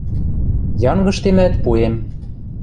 Янгыштемӓт, пуэм...